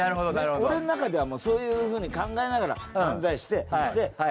俺の中ではそういうふうに考えながら漫才してで。